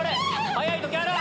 早い時ある！